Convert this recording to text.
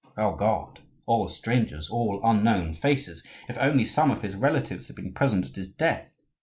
O God! all strangers, all unknown faces! If only some of his relatives had been present at his death!